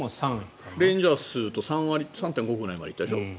レンジャーズと３．５ぐらいまで行ったでしょ。